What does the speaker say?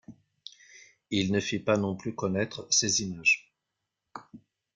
Il ne fit pas non plus connaître ses images.